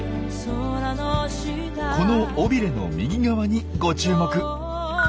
この尾ビレの右側にご注目。